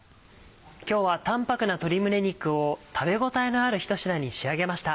今日は淡泊な鶏胸肉を食べ応えのあるひと品に仕上げました。